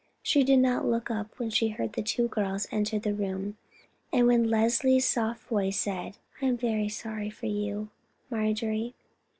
She did not look up when she heard the two girls enter the room; and when Leslie's soft voice said, "I am very sorry for you, Marjorie."